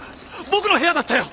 僕の部屋だったよ！